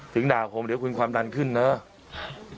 ด่าผมเดี๋ยวคุณความดันขึ้นเนอะ